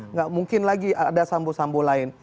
nggak mungkin lagi ada sambu sambu lain